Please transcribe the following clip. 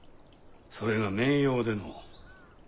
それが面妖での。